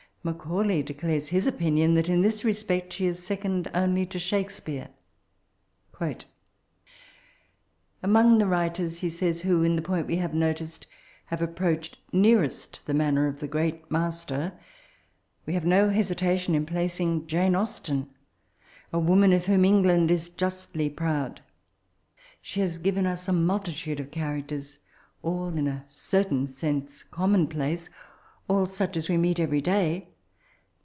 Maoaulay declares hia opin ion that in this respect she is second onl^ to Shakespeare. *' Among the writers," he says, '' who, in the point we have noticed, have approached nearest the manner of the f;reat mas ter, we have no hesitation .m placing Jane Austen, a woman of whom Eng land is justly prond. She has given us a multitude of characters, all, in a certain sense, commonplace — all such as we meet every day.